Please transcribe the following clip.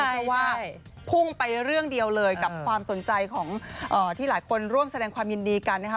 เพราะว่าพุ่งไปเรื่องเดียวเลยกับความสนใจของที่หลายคนร่วมแสดงความยินดีกันนะคะ